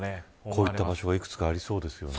こういった場所が幾つかありそうですよね。